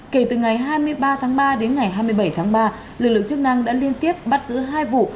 kể từ ngày hai mươi ba tháng ba đến ngày hai mươi bảy tháng ba lực lượng chức năng đã liên tiếp bắt giữ hai vụ